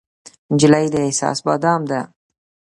نجلۍ د احساس بادام ده.